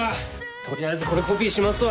取りあえずこれコピーしますわ。